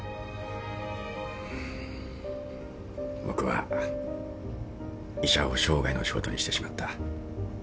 僕は医者を生涯の仕事にしてしまった。